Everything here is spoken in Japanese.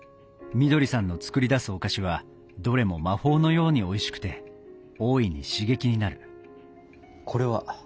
みどりさんの作り出すお菓子はどれも魔法のようにおいしくて大いに刺激になるこれは？